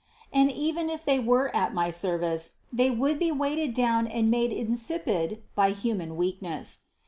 And even if they were at my service, they would be weighed down and made insipid by human weakness.